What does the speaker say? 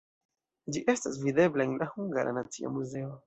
Ĝi estas videbla en la Hungara Nacia Muzeo.